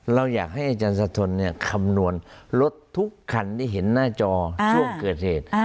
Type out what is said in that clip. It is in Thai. เราอยากให้อาจารย์สะทนคำนวณรถทุกคันที่เห็นหน้าจอช่วงเกิดเหตุ